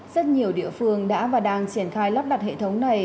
rất nhiều địa phương đã và đang triển khai lắp đặt hệ thống này